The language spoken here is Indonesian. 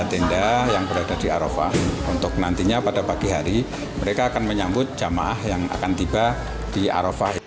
tenda tenda yang berada di arafah untuk nantinya pada pagi hari mereka akan menyambut jemaah yang akan tiba di arafah